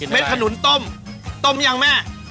เด็ดขนุนต้มต้มต้มยังแม่